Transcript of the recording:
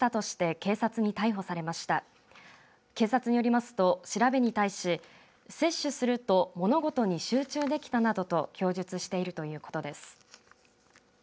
警察によりますと調べに対し摂取すると物事に集中できたなどと供述しているということです。